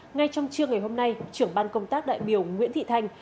ngay trong trưa ngày hôm nay trưởng ban công tác đại biểu nguyễn thị thanh